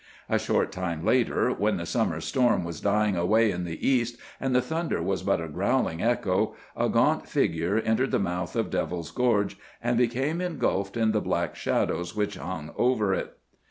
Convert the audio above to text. A short time later, when the summer storm was dying away in the east and the thunder was but a growling echo, a gaunt figure entered the mouth of Devil's Gorge and became engulfed in the black shadows which hung over it.